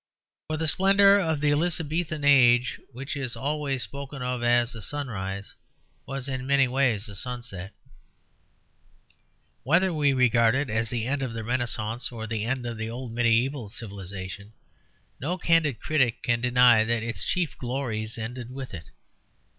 For the splendour of the Elizabethan age, which is always spoken of as a sunrise, was in many ways a sunset. Whether we regard it as the end of the Renascence or the end of the old mediæval civilization, no candid critic can deny that its chief glories ended with it.